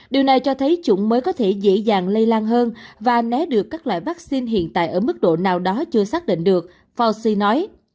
điều này cho thấy chủng mới có thể dễ dàng lây lan hơn và né được các loại vaccine hiện tại ở mức độ nào đó chưa xác định được forci nói